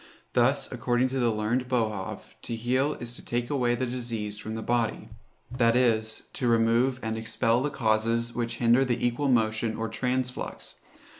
Thus, according to the learned Boerhaave, to heal is to take away the disease from the body; that is, to remove and expel the causes which hinder the equal motion or transflux.